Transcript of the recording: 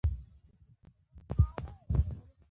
د ټیر فشار په کیلوګرام فی سانتي متر مربع دی